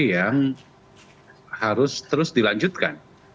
yang harus terus dilanjutkan